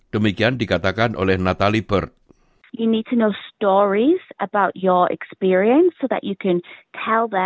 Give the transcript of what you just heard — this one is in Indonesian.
demikian dikatakan oleh natalie burt